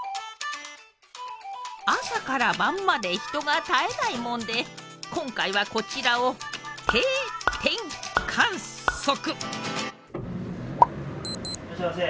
朝から晩まで人が絶えないもんで今回はこちらをいらっしゃいませ。